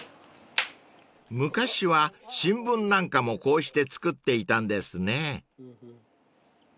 ［昔は新聞なんかもこうして作っていたんですね］